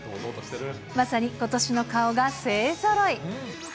まさにことしの顔が勢ぞろい。